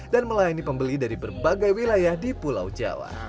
dan melayani pembeli dari berbagai wilayah di pulau jawa